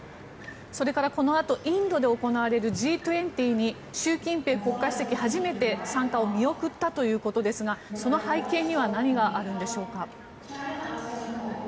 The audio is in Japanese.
それからこのあとインドで行われるＧ２０に習近平国家主席初めて参加を見送ったということですがその背景には何があるんでしょうか？